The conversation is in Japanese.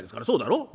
「そうだろ？